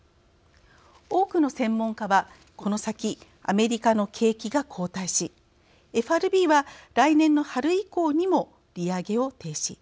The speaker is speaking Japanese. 多くの専門家は、この先アメリカの景気が後退しＦＲＢは来年の春以降にも利上げを停止。